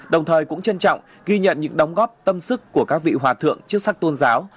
đồng thời cũng trân trọng ghi nhận những đóng góp tâm sức của các vị hòa thượng chức sắc tôn giáo